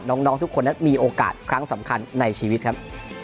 น้องทุกคนนั้นมีโอกาสครั้งสำคัญในชีวิตครับ